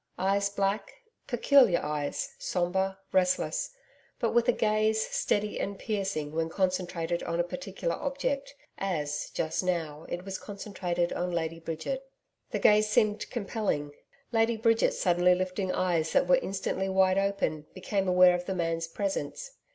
Eyes black peculiar eyes, sombre, restless, but with a gaze, steady and piercing when concentrated on a particular object, as, just now, it was concentrated on Lady Bridget. The gaze seemed compelling. Lady Bridget suddenly lifting eyes that were instantly wide open, became aware of the man's presence.